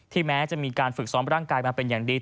แม้จะมีการฝึกซ้อมร่างกายมาเป็นอย่างดี